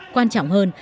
quan trọng hơn